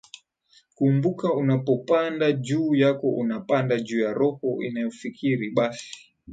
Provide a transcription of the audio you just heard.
kumbuka unapopanda juu yako unapanda juu ya roho inayofikiri Basi